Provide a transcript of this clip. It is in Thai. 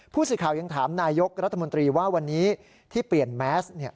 ผู้สื่อข่าวยังถามนายกรัฐมนตรีว่าวันนี้ที่เปลี่ยนแมสเนี่ย